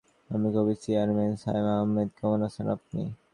অনুষ্ঠানে সভাপতিত্ব করেন ডাচ্ বাংলা ব্যাংকের চেয়ারম্যান সায়েম আহমেদ।